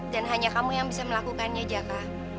dan hanya kamu yang bisa melakukannya jaka